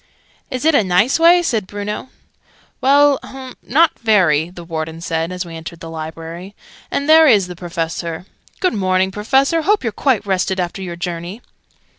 "Is it a nice way?" said Bruno. "Well, hum, not very," the Warden said, as we entered the Library. "And here is the Professor. Good morning, Professor! Hope you're quite rested after your journey!"